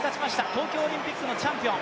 東京オリンピックのチャンピオン。